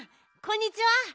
こんにちは。